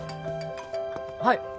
はい